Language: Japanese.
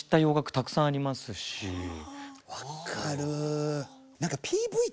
分かる！